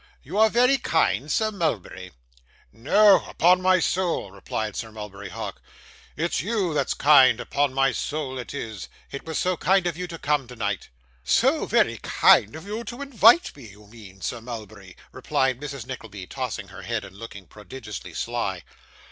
You are very kind, Sir Mulberry.' 'No, no upon my soul!' replied Sir Mulberry Hawk. 'It's you that's kind, upon my soul it is. It was so kind of you to come tonight.' 'So very kind of you to invite me, you mean, Sir Mulberry,' replied Mrs Nickleby, tossing her head, and looking prodigiously sly.